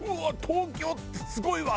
東京ってすごいわ！